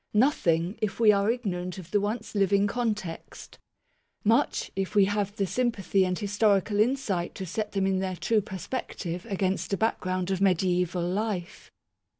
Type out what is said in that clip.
Nothing, if we are ignorant of the once living context. Much, if we have the sympathy and historical insight to set them in their true perspective against a background of mediaeval life.